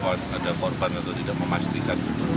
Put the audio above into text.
ada korban atau tidak memastikan